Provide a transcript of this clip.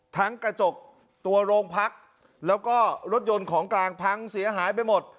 กระจกตัวโรงพักแล้วก็รถยนต์ของกลางพังเสียหายไปหมด